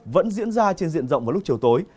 vẫn diễn ra trên diện rộng vào lúc chiều tối